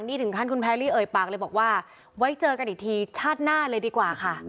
นี่ถึงขั้นคุณแพรรี่เอ่ยปากเลยบอกว่าไว้เจอกันอีกทีชาติหน้าเลยดีกว่าค่ะ